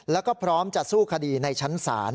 แล้วก็พร้อมจัดสู้คดีในชั้นสารเนี่ยล่ะครับ